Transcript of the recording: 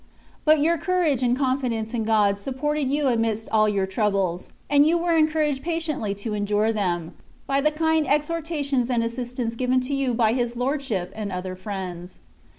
But your courage and confidence in God supported you amidst all your trouhles; and you were encouraged pa tiently to endure them, by the kind exhort ations and assistance given to you by his Lordship and other friends.